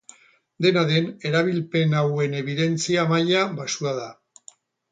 Dena den, erabilpen hauen ebidentzia maila baxua da.